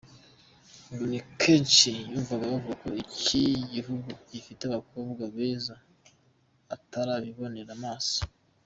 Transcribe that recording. Ngo ni kenshi yumvaga bavuga ko iki gihugu gifite abakobwa beza atarabibonera n’amaso.